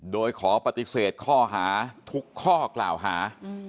โดยขอปฏิเสธข้อหาทุกข้อกล่าวหา